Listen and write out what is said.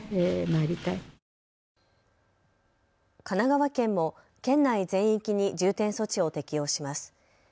神奈川県も県内全域に重点措置を適用します。